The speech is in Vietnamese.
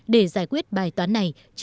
để giải quyết bài toán này